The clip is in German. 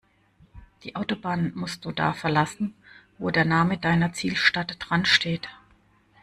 Die Autobahn musst du da verlassen, wo der Name deiner Zielstadt dran steht.